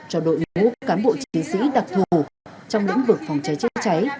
cho đội ngũ cán bộ chiến sĩ đặc thù trong lĩnh vực phòng cháy chữa cháy